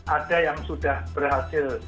ada yang sudah berhasil